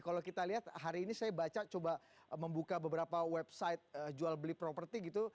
kalau kita lihat hari ini saya baca coba membuka beberapa website jual beli properti gitu